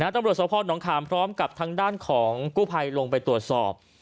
ตำรวจสภหนองขามพร้อมกับทางด้านของกู้ภัยลงไปตรวจสอบ